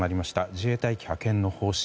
自衛隊派遣の方針。